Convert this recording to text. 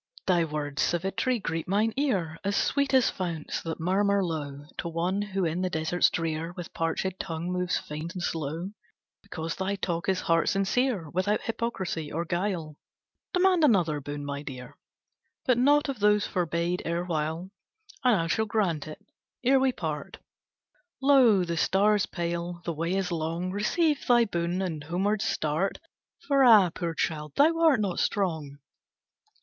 "Thy words, Savitri, greet mine ear As sweet as founts that murmur low To one who in the deserts drear With parchèd tongue moves faint and slow, Because thy talk is heart sincere, Without hypocrisy or guile; Demand another boon, my dear, But not of those forbad erewhile, And I shall grant it, ere we part: Lo, the stars pale, the way is long, Receive thy boon, and homewards start, For ah, poor child, thou art not strong."